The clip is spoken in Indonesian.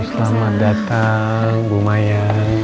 selamat datang bu maya